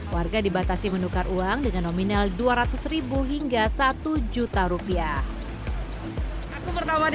warga dibatasi menukar uang dengan nominal dua ratus ribu hingga satu juta rupiah